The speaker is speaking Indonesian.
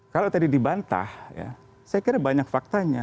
kalau tadi dibantah ya saya kira banyak faktanya